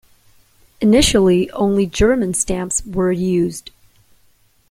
Initially only German stamps were used.